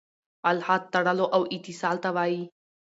الحاد تړلو او اتصال ته وايي.